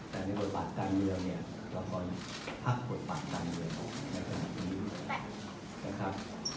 แต่ในบทบาทการเมืองเนี่ยละครพักบทบาทการเมืองในขณะนี้นะครับ